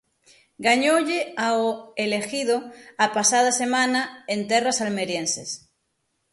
Gañoulle ao El Ejido a pasada semana en terras almerienses.